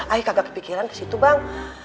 ayo kagak kepikiran ke situ bang